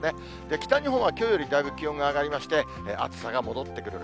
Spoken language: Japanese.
北日本はきょうよりだいぶ気温が上がりまして、暑さが戻ってくる形。